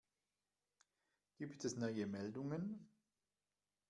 Gibt es neue Meldungen?